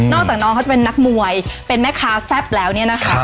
จากน้องเขาจะเป็นนักมวยเป็นแม่ค้าแซ่บแล้วเนี่ยนะคะ